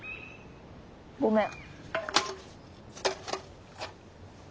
ごめん。